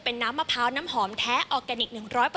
เป็นน้ำมะพร้าวน้ำหอมแท้ออร์แกนิค๑๐๐